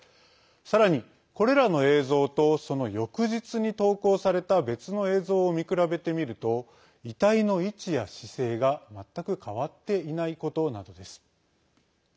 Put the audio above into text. さらに、これらの映像とその翌日に投稿された別の映像を見比べてみると遺体の位置や姿勢が全く変わっていないことなどです。